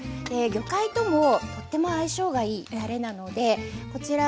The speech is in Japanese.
魚介ともとても相性がいいたれなのでこちら